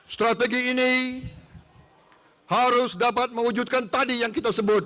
strategi ini harus dapat mewujudkan tadi yang kita sebut